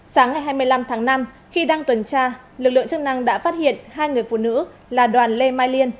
sáng ngày hai mươi năm tháng năm khi đang tuần tra lực lượng chức năng đã phát hiện hai người phụ nữ là đoàn lê mai liên